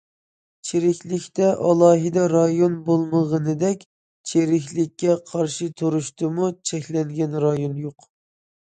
چىرىكلىكتە ئالاھىدە رايون بولمىغىنىدەك، چىرىكلىككە قارشى تۇرۇشتىمۇ چەكلەنگەن رايون يوق.